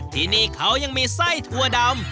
ที่นี่เขายังมีไส้ถั่วดำ